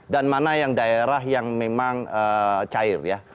dan mana yang daerah yang memang cair ya